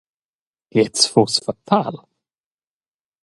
Gliez fuss fatal.